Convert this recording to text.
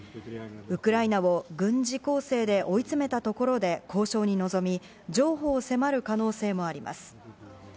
ウクライナを軍事攻勢で追い詰めたところで交渉に臨み、譲歩を迫る可能性もあります。